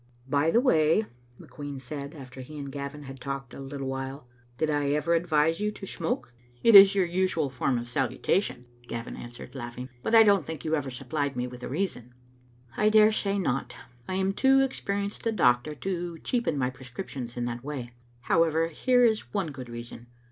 "By the way," McQueen said, after he and Gavin had talked a little while, "did I ever advise you to smoke?' Digitized by VjOOQ IC t80 tSbc xmie Alnf6tet* " It is your usual form of salutation," Gavin answered, laughing. "But I don't think you ever supplied me with a reason." I daresay not. I am too experienced a doctor to cheapen my prescriptions in that way. However, here is one good reason.